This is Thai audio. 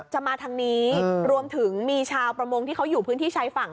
จะมาทางนี้รวมถึงมีชาวประมงที่เขาอยู่พื้นที่ชายฝั่ง